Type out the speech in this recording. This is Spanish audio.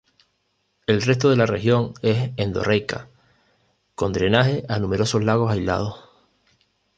El resto de la región es endorreica, con drenajes a numerosos lagos aislados.